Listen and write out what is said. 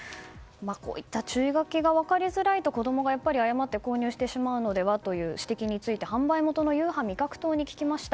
こうした注意書きが分かりづらいと子供が誤って購入してしまうのではという指摘について販売元のＵＨＡ味覚糖に聞きました。